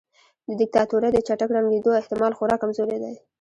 د دیکتاتورۍ د چټک ړنګیدو احتمال خورا کمزوری دی.